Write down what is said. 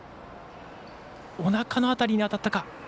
おなかの辺りに当たったか。